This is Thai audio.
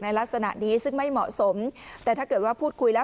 ลักษณะนี้ซึ่งไม่เหมาะสมแต่ถ้าเกิดว่าพูดคุยแล้ว